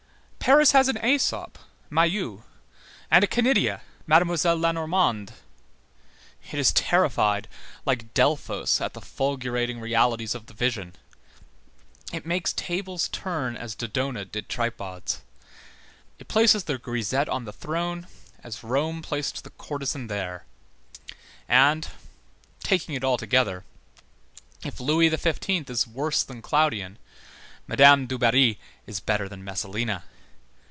Paris has an Æsop Mayeux, and a Canidia, Mademoiselle Lenormand. It is terrified, like Delphos at the fulgurating realities of the vision; it makes tables turn as Dodona did tripods. It places the grisette on the throne, as Rome placed the courtesan there; and, taking it altogether, if Louis XV. is worse than Claudian, Madame Dubarry is better than Messalina.